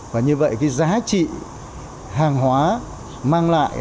và như vậy cái giá trị hàng hóa mang lại